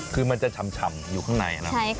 คือมันจะฉ่ำอยู่ข้างใน